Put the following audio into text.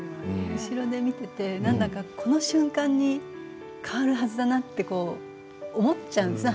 後ろで見ていて何だかこの瞬間に変わるはずだなと思っちゃうんですね。